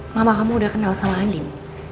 mama kamu udah kenal sama anjing